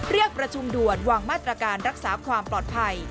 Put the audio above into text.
เรียกประชุมด่วนวางมาตรการรักษาความปลอดภัย